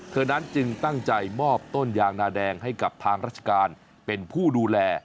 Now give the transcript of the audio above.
เธอนั้นจึงตั้งใจมอบต้นยางนาแดงให้กับทางราชการเป็นผู้ดูแล